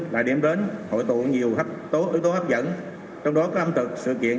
là điểm đến hội tụ nhiều ước tố hấp dẫn trong đó có ẩm thực sự kiện